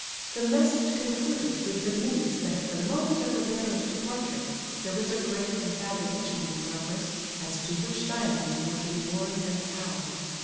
The message concluded with the news that at the moment of the bearer's departure there was a great confabulation in progress as to which diamonds were to be worn, and how.